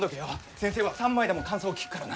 先生は３枚でも感想を聞くからな。